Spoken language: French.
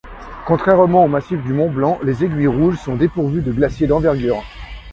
Contrairement au massif du Mont-Blanc, les aiguilles Rouges sont dépourvues de glacier d'envergure.